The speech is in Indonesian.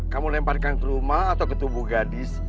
kamu lemparkan ke rumah atau ketubuh gadis